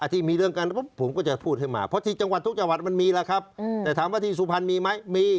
ทุกจังหวัดมันมีล่ะครับแต่ถามว่าที่สุพรรณมีไหมมี